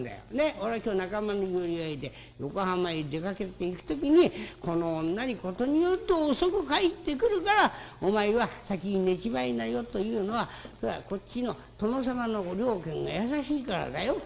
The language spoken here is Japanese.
俺は今日仲間の寄り合いで横浜へ出かけていく時にこの女に『事によると遅く帰ってくるからお前は先に寝ちまいなよ』というのはそれはこっちの殿様のご了見が優しいからだよ。